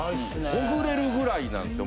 ほぐれるぐらいなんですよ